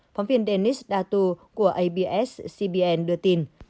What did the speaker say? phóng viên dennis datu của abs cbn đưa tin